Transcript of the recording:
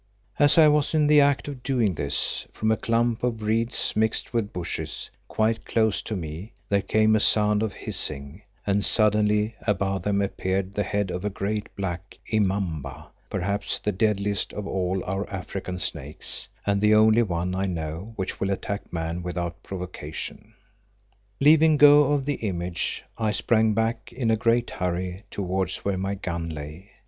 As I was in the act of doing this, from a clump of reeds mixed with bushes, quite close to me, there came a sound of hissing, and suddenly above them appeared the head of a great black immamba, perhaps the deadliest of all our African snakes, and the only one I know which will attack man without provocation. Leaving go of the image, I sprang back in a great hurry towards where my gun lay.